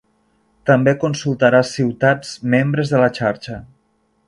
També consultarà ciutats membres de la Xarxa.